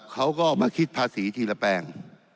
เขาก็มาคิดภาษีทีละแปลง